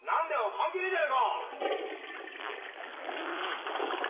関係ねえじゃねえか！